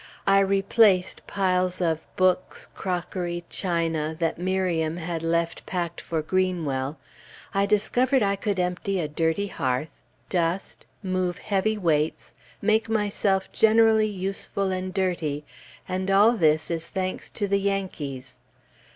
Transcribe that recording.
I replaced piles of books, crockery, china, that Miriam had left packed for Greenwell; I discovered I could empty a dirty hearth, dust, move heavy weights, make myself generally useful and dirty, and all this is thanks to the Yankees!